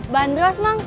bahan biasa emang